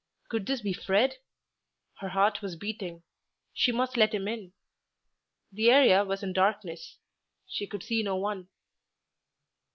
Could this be Fred? Her heart was beating; she must let him in. The area was in darkness; she could see no one.